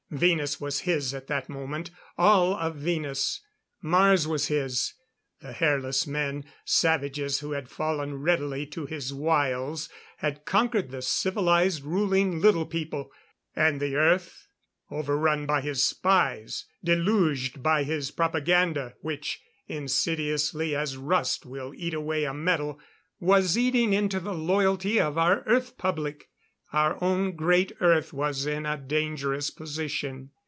Venus was his at that moment; all of Venus. Mars was his; the Hairless Men savages who had fallen readily to his wiles, had conquered the civilized, ruling Little People. And the Earth, over run by his spies, deluged by his propaganda which, insidiously as rust will eat away a metal, was eating into the loyalty of our Earth public our own great Earth was in a dangerous position.